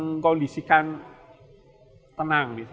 yang bisa mengkondisikan tenang